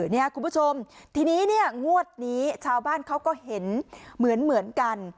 เนี่ยคุณผู้ชมทีนี้เนี่ยงวดนี้ชาวบ้านเขาก็เห็นเหมือนกัน